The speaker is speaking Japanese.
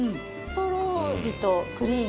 とろりとクリーミーで。